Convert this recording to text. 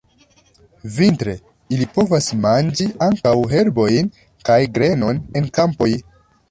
Vintre ili povas manĝi ankaŭ herbojn kaj grenon en kampoj.